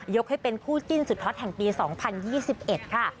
ให้เป็นคู่จิ้นสุดฮอตแห่งปี๒๐๒๑ค่ะ